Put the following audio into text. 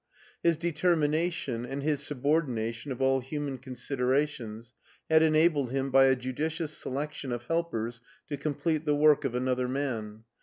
His determination, and his subordination of all human considerations, had enabled him by a judi cious selection of helpers to • complete the work of another man.